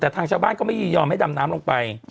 แต่ทางชาวบ้านก็ไม่ยินยอมให้ดำน้ำลงไป